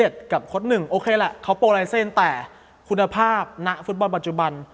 โอเคแหละเค้าโปรไลเซนแต่คุณภาพณฟุตบอลปัจจุบัน